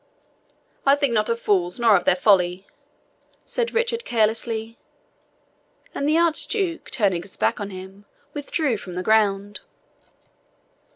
"I think not of fools, nor of their folly," said Richard carelessly; and the Archduke, turning his back on him, withdrew from the ground.